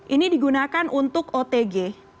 ini digunakan untuk otg